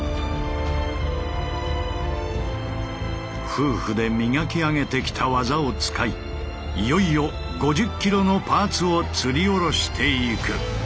夫婦で磨き上げてきた技を使いいよいよ５０ｋｇのパーツをつり下ろしていく。